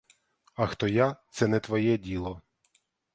А хто я, це не твоє діло!